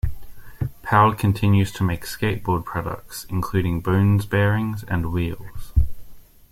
Powell continues to make skateboard products, including Bones Bearings and wheels.